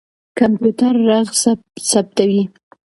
کمپيوټر ږغ ثبتوي.